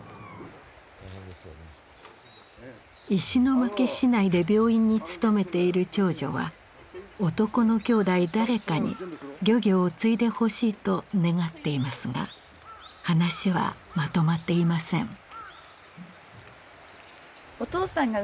石巻市内で病院に勤めている長女は男のきょうだい誰かに漁業を継いでほしいと願っていますが話はまとまっていません。